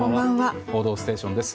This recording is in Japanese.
「報道ステーション」です。